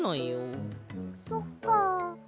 そっか。